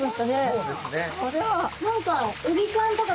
そうですね。